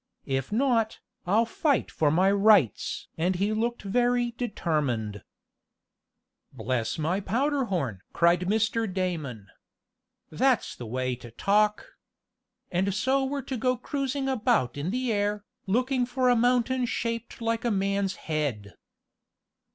If not, I'll fight for my rights!" and he looked very determined. "Bless my powder horn!" cried Mr. Damon. "That's the way to talk! And so we're to go cruising about in the air, looking for a mountain shaped like a man's head."